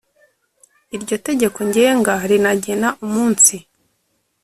iryo tegeko ngenga rinagena umunsi